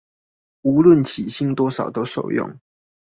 無論起薪多少都受用